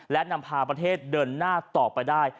และนำพาประเทศเดินหน้าต่อไปได้